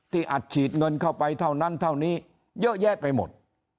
อัดฉีดเงินเข้าไปเท่านั้นเท่านี้เยอะแยะไปหมด